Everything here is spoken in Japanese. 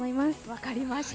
分かりました。